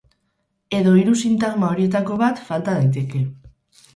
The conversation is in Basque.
Edo hiru sintagma horietakoren bat falta daiteke.